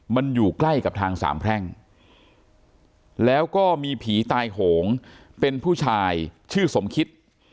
มันอยู่ใกล้กับทางสามแพร่งแล้วก็มีผีตายโหงเป็นผู้ชายชื่อสมคิต